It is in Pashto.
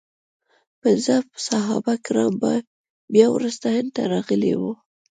پنځه صحابه کرام بیا وروسته هند ته راغلي وو.